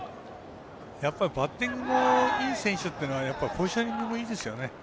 バッティングのいい選手っていうのはやっぱり、ポジショニングもいいですよね。